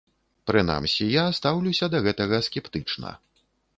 Прынамсі я стаўлюся да гэтага скептычна.